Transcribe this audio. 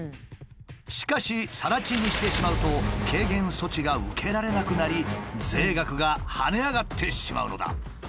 しかし更地にしてしまうと軽減措置が受けられなくなり税額が跳ね上がってしまうのだ。